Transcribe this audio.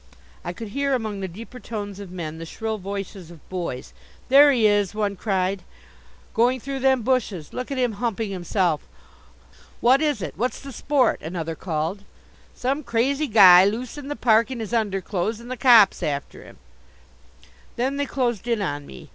I could hear among the deeper tones of men the shrill voices of boys. "There he is," one cried, "going through them bushes! Look at him humping himself!" "What is it, what's the sport?" another called. "Some crazy guy loose in the park in his underclothes and the cops after him." Then they closed in on me.